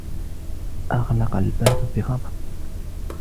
أغلق الباب بغضب